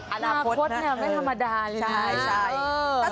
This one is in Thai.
หน้าพดไม่ธรรมดาเลยนะ